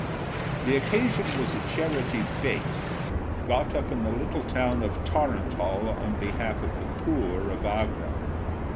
The occasion was a charity fête got up in the little town of Torrantal on behalf of the poor of Agram.